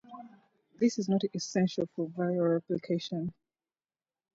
It is not essential for viral replication.